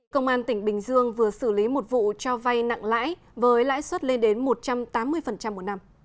công an tỉnh bình dương vừa xử lý một vụ cho vay nặng lãi với lãi suất lên đến một trăm tám mươi một năm